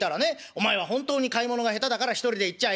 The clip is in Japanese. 『お前は本当に買い物が下手だから一人で行っちゃいけない。